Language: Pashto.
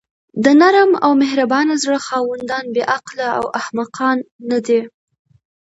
د نرم او مهربانه زړه خاوندان بې عقله او احمقان ندي.